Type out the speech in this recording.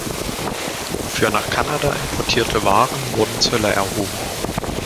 Für nach Kanada importierte Waren wurden Zölle erhoben.